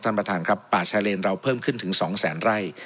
ท่านประธานครับป่าชายเลนเราเพิ่มขึ้นถึงสองแสนไร่